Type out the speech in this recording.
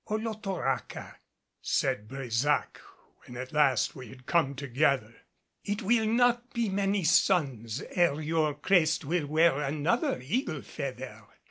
"Olotoraca," said Brésac, when at last we had come together, "it will not be many suns ere your crest will wear another eagle's feather.